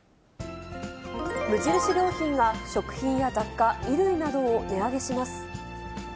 無印良品が食品や雑貨、衣類などを値上げします。